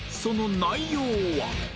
その内容は